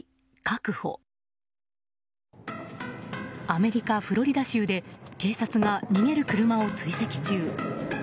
アメリカ・フロリダ州で警察が逃げる車を追跡中。